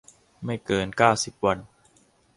ไม่เกิน เก้าสิบ วัน